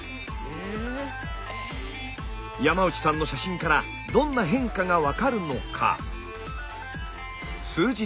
山内さんの写真からどんな変化が分かるのか？